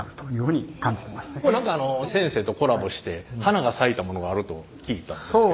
何か先生とコラボして花が咲いたものがあると聞いたんですけど。